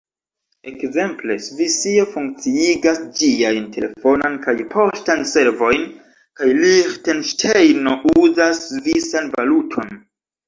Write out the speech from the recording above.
Ekzemple, Svisio funkciigas ĝiajn telefonan kaj poŝtan servojn, kaj Liĥtenŝtejno uzas svisan valuton.